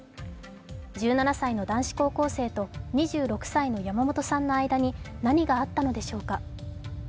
１７歳の男子高校生と２６歳の山本さんとの間に何があったのでしょうか。